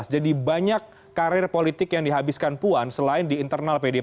jadi banyak karir politik yang dihabiskan puan selain di internal pdi perjuangan